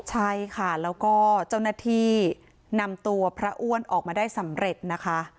ใช่ค่ะแล้วก็เจ้าหน้าที่นำตัวพระอ้วนออกมาได้สำเร็จนะคะ